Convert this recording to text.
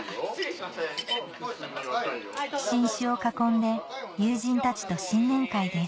新酒を囲んで友人たちと新年会です